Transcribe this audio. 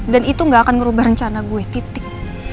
dan itu gak akan ngerubah rencana gue titik